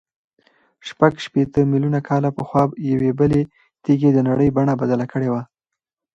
شپږ شپېته میلیونه کاله پخوا یوې بلې تېږې د نړۍ بڼه بدله کړې وه.